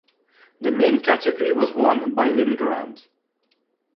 The main category was won by Linn Grant.